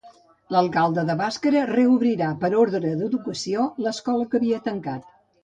L'alcalde de Bàscara reobrirà, per ordre d'Educació, l'escola que havia tancat.